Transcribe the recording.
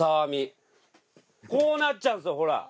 こうなっちゃうんですよほら。